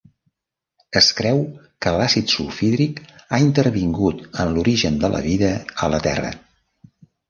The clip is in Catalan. Es creu que l'àcid sulfhídric ha intervingut en l'origen de la vida a la Terra.